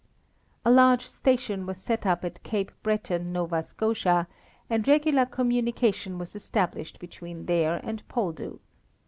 A large station was set up at Cape Breton, Nova Scotia, and regular communication was established between there and Poldhu.